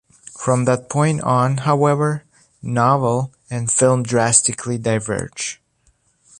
From that point on, however, novel and film drastically diverge.